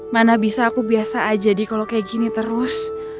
mana bisa aku biasa aja di kalau kayak gini terus